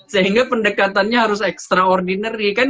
sehingga pendekatannya harus extraordinary kan